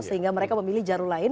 sehingga mereka memilih jalur lain